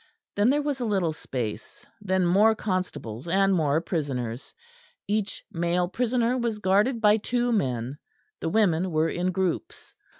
Then there was a little space; and then more constables and more prisoners. Each male prisoner was guarded by two men; the women were in groups.